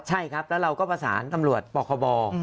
ใช่ครับแล้วเราก็ประสานตำรวจปคบ